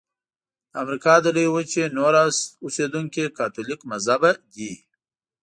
د امریکا د لویې وچې نور اوسیدونکي کاتولیک مذهبه دي.